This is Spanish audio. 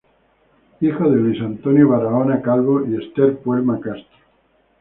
Hijo de Luis Antonio Baraona Calvo y Ester Puelma Castro.